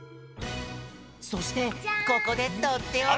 そしてここでとっておき！